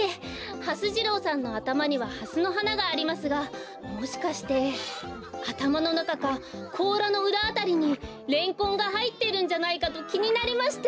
はす次郎さんのあたまにはハスのはながありますがもしかしてあたまのなかかこうらのうらあたりにレンコンがはいってるんじゃないかときになりまして。